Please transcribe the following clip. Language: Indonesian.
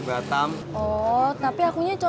siapa sih orang yang suka